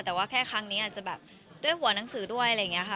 แต่ว่าแค่ครั้งนี้อาจจะแบบด้วยหัวหนังสือด้วยอะไรอย่างนี้ค่ะ